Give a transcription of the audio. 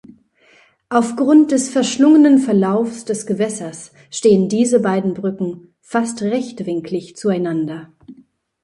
Aufgrund des verschlungenen Verlaufs des Gewässers stehen diese beiden Brücken fast rechtwinklig zueinander.